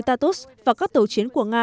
tartus và các tàu chiến của nga